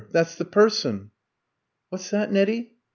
That's the person!" "What's that, Nettie?"